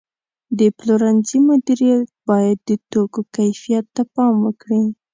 د پلورنځي مدیریت باید د توکو کیفیت ته پام وکړي.